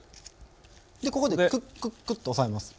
でここでクックックッと押さえます。